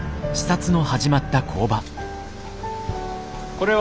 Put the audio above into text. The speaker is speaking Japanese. これは？